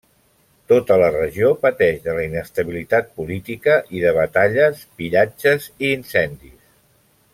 Tota la regió pateix de la inestabilitat política i de batalles, pillatges i incendis.